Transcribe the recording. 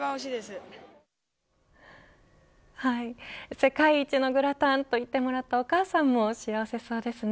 世界一のグラタンと言ってもらったお母さんも幸せそうですね。